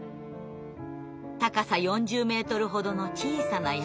高さ４０メートルほどの小さな山。